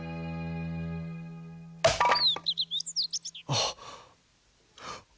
あっ。